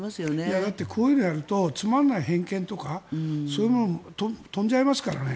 だってこういうのをやるとつまらない偏見とかそういうものも飛んじゃいますからね。